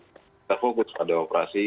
kita fokus pada operasi